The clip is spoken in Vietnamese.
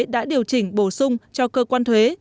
đã điều chỉnh bổ sung cho cơ quan thuế